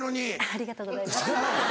ありがとうございます。